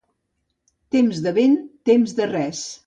Temps de vent, temps de res.